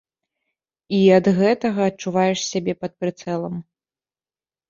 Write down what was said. І ад гэтага адчуваеш сябе пад прыцэлам.